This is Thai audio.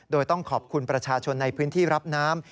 โดยต้องขอบคุณประชาชนในพื้นที่รับน้ำ